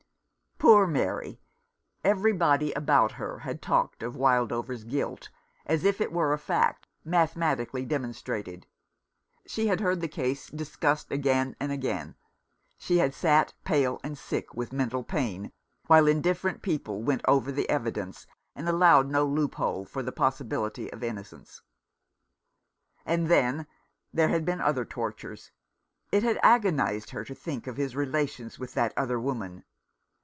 Poor Mary ! Everybody about her had talked of Wildover's guilt as if it were a fact, mathematically demonstrated. She had heard the case discussed again and again ; she had sat, pale and sick with mental pain, while indifferent people went over the evidence, and allowed no loophole for the possibility of innocence. And then there had been other tortures. It had agonized her to think of his relations with that other woman.